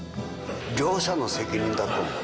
両者の責任だと思う。